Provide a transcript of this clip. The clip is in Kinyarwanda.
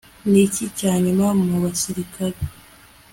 Niki cyanyuma mubasirikare